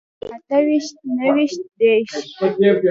اته ويشت نهه ويشت دېرش